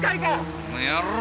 あの野郎！